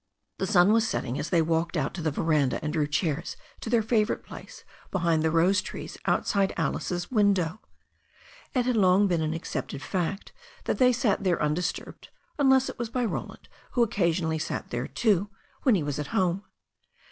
The sun was setting as they walked out to the veranda and drew chairs to their favourite place behind the rose trees outside Alice's window. It had long been an accepted fact that they sat here undisturbed, unless it was by Roland, who occasionally sat there too, when he was at home.